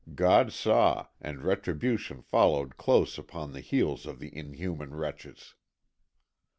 God saw, and retribution followed close upon the heels of the inhuman wretches.